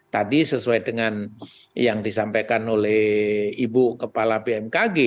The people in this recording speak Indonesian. tadi sesuai dengan yang disampaikan oleh ibu kepala bmkg